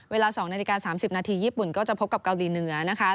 เวลา๒นาฬิกา๓๐นาทีญี่ปุ่นก็จะพบกับเกาหลีเหนือนะคะ